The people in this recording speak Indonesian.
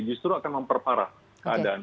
justru akan memperparah keadaan